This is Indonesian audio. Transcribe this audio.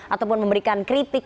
ataupun memberikan kritik